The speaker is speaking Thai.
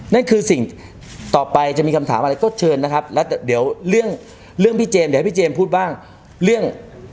นั่นคือสิ่งต่อไปจะมีคำถามอะไรก็เชิญนะครับแล้วเดี๋ยวเรื่องเรื่องพี่เจมสเดี๋ยวให้พี่เจมส์พูดบ้างเรื่อง